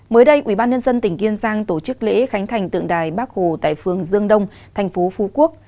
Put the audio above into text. mới đây ubnd tỉnh kiên giang tổ chức lễ khánh thành tượng đài bắc hồ tại phường dương đông thành phố phú quốc